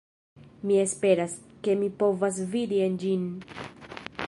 Mi esperas, ke mi povas vidi en ĝin